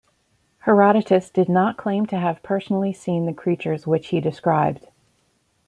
Herodotus did not claim to have personally seen the creatures which he described.